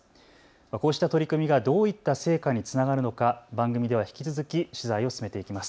こうした取り組みがどういった成果につながるのか、番組では引き続き取材を進めていきます。